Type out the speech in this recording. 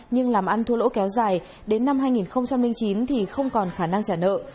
nhưng làm ăn thua lỗ kéo dài đến năm hai nghìn chín thì không còn khả năng trả nợ